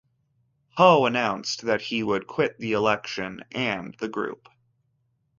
Ho announced that he would quit the election and the group.